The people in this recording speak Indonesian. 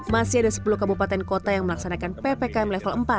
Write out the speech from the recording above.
masih ada sepuluh kabupaten kota yang melaksanakan ppkm level empat